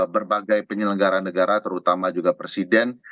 berbagai penyelenggara negara terutama juga presiden